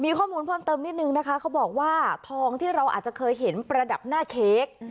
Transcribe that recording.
มีข้อมูลเพิ่มเติมนิดนึงนะคะเขาบอกว่าทองที่เราอาจจะเคยเห็นประดับหน้าเค้ก